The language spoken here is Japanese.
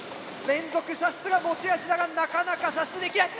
連続射出が持ち味だがなかなか射出できない。